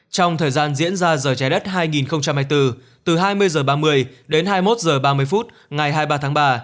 trong thời gian diễn ra giờ trái đất hai nghìn hai mươi bốn từ hai mươi h ba mươi đến hai mươi một h ba mươi phút ngày hai mươi ba tháng ba